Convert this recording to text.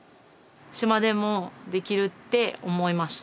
島でもできるって思いました。